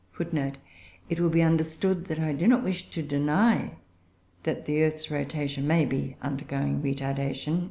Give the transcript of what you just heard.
[Footnote 20: It will be understood that I do not wish to deny that the earth's rotation may be undergoing retardation.